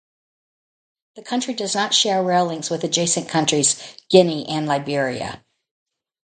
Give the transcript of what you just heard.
The country does not share rail links with adjacent countries, Guinea and Liberia.